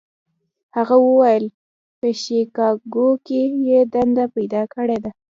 هغه وویل په شیکاګو کې یې دنده پیدا کړې ده.